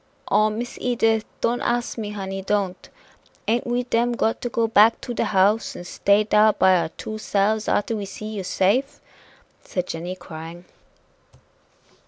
"Oh! Miss Edith, don't ask me, honey don't! Ain't we dem got to go back to de house and stay dar by our two selves arter we see you safe?" said Jenny, crying.